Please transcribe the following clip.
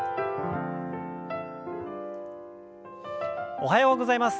おはようございます。